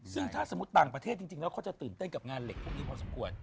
ซึ่งถ้าสมมุติต่างประเทศจริงแล้วเขาจะตื่นเต้นกับงานเหล็กพวกนี้พอสมควร